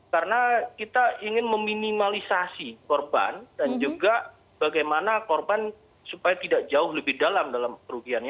karena kita ingin meminimalisasi korban dan juga bagaimana korban supaya tidak jauh lebih dalam dalam kerugiannya